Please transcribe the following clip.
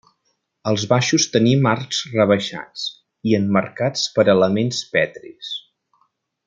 Als baixos tenim arcs rebaixats i emmarcats per elements petris.